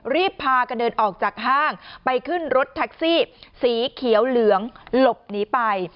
รีบพากันเดินออกจากห้างไปขึ้นรถแท็กซี่สีเขียวเหลืองหลบหนีไป